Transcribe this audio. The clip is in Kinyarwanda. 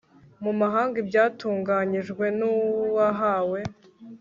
mu mahanga ibyatunganyijwe n uwahawe